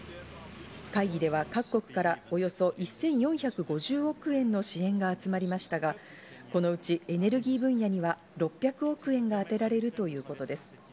会議では各国からおよそ１４５０億円の支援が集まりましたが、このうちエネルギー分野には６００億円が充てられるということです。